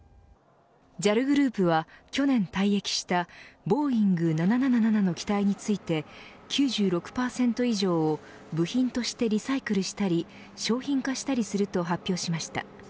ＪＡＬグループは去年退役したボーイング７７７の機体について９６％以上を部品としてリサイクルしたり商品化したりすると発表しました